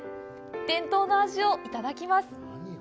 伝統の味をいただきます。